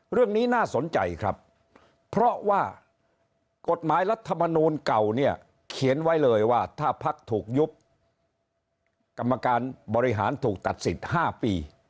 เรื่องนี้น่าสนใจครับเพราะว่ากฎหมายรัฐมนูลเก่าเนี่ยเขียนไว้เลยว่าถ้าพักถูกยุบกรรมการบริหารถูกตัดสิทธิ์๕ปี